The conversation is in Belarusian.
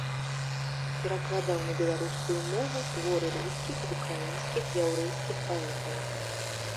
Перакладаў на беларускую мову творы рускіх, украінскіх, яўрэйскіх паэтаў.